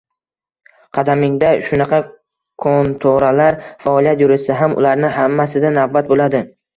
Qadamingda shunaqa kontoralar faoliyat yuritsa ham, ularni hammasida navbat bo‘ladi.